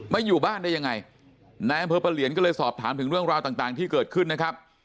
อยู่บ้านได้ยังไงนายอำเภอปะเหลียนก็เลยสอบถามถึงเรื่องราวต่างที่เกิดขึ้นนะครับ